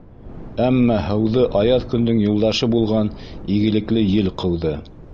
Әммә һыуҙы аяҙ көндөң юлдашы булған игелекле ел ҡыуҙы.